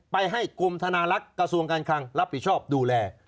ไปให้กรมธนารักษ์กระทรวงการคลังรับผิดชอบดูแล